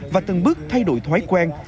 và từng bước thay đổi thói quen